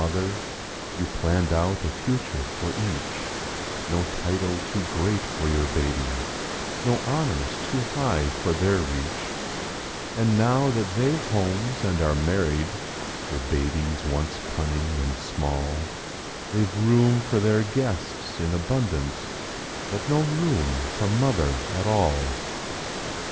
Mother; you plan¬ ned out a future each; No title too great for your babies; no honors too high for their reach; And now that they've homes and are married—your ba¬ bies once cunning and small— ve room for their guests in abund but no room for Mother at all.